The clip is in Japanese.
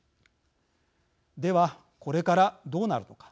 では、これからどうなるのか。